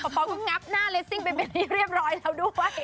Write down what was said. เขาก็งับหน้าเลสซิ่งไปเป็นที่เรียบร้อยแล้วด้วย